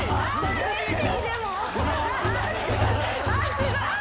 すごい。